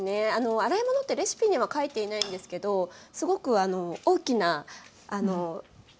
洗い物ってレシピには書いていないんですけどすごく大きな要素というか。